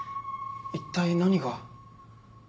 一体何が？